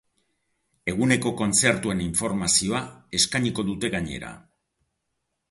Eguneko kontzertuen informazioa eskainiko dute gainera.